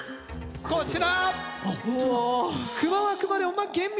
こちら！